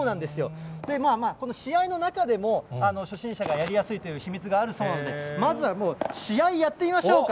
この試合の中でも、初心者がやりやすいという秘密があるそうなので、まずは試合やってみましょうか。